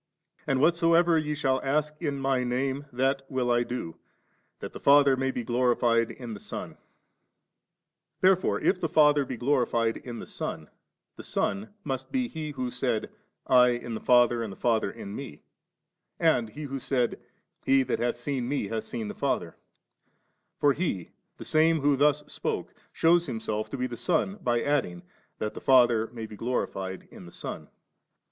And whatsoever ye shall ask in My Name, that will I do, that the Father may be glorified in the Son 4.' Therefore if the Father be glorified in the Son, the Son must be He who said, * I in the Father and the Father in Me;' and He who said, * He that hath seen Me, hath seen the Father;' for He, the same who thus spoke, shews Himself to be the Son, by addii^ * that the Father may be glorified in the Son.'